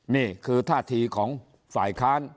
นี่คือท่าทีของฝ่ายค้าน